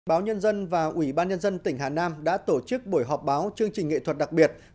báo nhân dân và ủy ban nhân dân tỉnh hà nam đã tổ chức buổi họp báo chương trình nghệ thuật đặc biệt